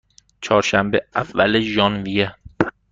چهارشنبه، اول ژانویه